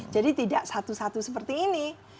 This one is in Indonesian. jadi tidak satu satu seperti ini